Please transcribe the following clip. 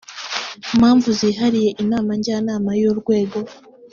mpamvu zihariye inama njyanama y urwego